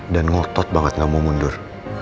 dan ngotot banget gak mau mundur